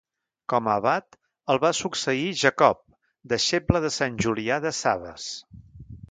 Com abat el va succeir Jacob, deixeble de Sant Julià de Sabas.